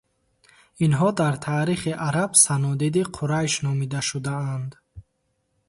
Инҳо дар таърихи араб санодиди Қурайш номида шудаанд.